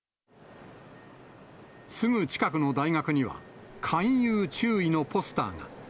すぐ近くの大学には、勧誘注意のポスターが。